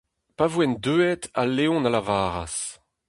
Pa voent deuet, al leon a lavaras :